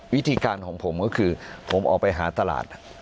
วิธีการของผมก็คือผมออกไปหาตลาด